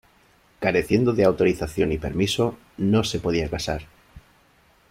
Careciendo de autorización y permiso, no se podía casar.